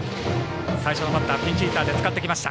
最初のバッターピンチヒッターで使ってきました。